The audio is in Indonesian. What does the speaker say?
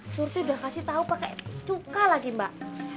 surti sudah kasih tahu pakai cuka lagi mbak